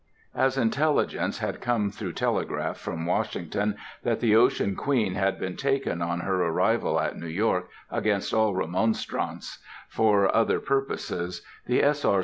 As intelligence had come through telegraph from Washington that the Ocean Queen had been taken on her arrival at New York, against all remonstrance, for other purposes, the _S. R.